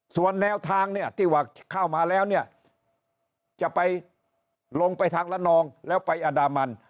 ส่วนแนวทางเนี่ยที่ว่าเข้ามาแล้วเนี่ยจะไปลงไปทางละนองแล้วไปอันดามัน